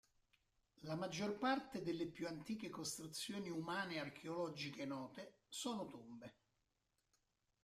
La maggior parte delle più antiche costruzioni umane archeologiche note sono tombe.